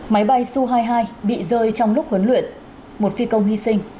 máy bay su hai mươi hai bị rơi trong lúc huấn luyện một phi công hy sinh